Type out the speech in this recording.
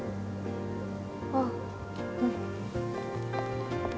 ああうん。